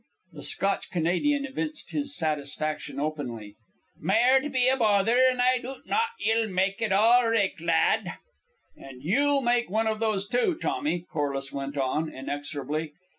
The Scotch Canadian evinced his satisfaction openly. "Mair'd be a bother; an' I doot not ye'll mak' it all richt, lad." "And you'll make one of those two, Tommy," Corliss went on, inexorably.